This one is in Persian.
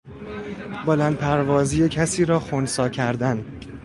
بلند پروازی کسی را خنثی کردن